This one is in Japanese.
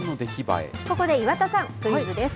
ここで岩田さん、クイズです。